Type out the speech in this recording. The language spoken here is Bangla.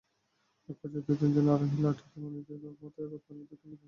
একপর্যায়ে দুই-তিনজন আরোহী লাঠি দিয়ে মনিরের মাথায় আঘাত করে দ্রুত চলে যান।